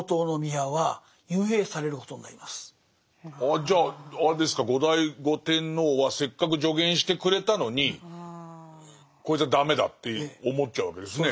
それもあってああじゃああれですか後醍醐天皇はせっかく助言してくれたのにこいつは駄目だって思っちゃうわけですね。